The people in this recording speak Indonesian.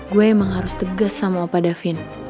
gue emang harus tegas sama opa davin